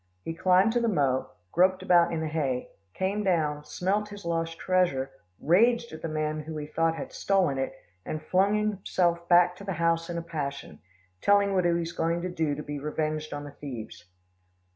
He climbed to the mow, groped about in the hay, came down, smelt his lost treasure, raged at the men who he thought had stolen it, and flung himself back to the house in a passion, telling what he was going to do to be revenged on the thieves.